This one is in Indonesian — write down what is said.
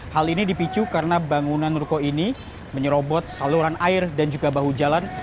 hal ini dipicu karena bangunan ruko ini menyerobot saluran air dan juga bahu jalan